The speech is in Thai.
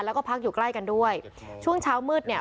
แล้วก็พักอยู่ใกล้กันด้วยช่วงเช้ามืดเนี่ย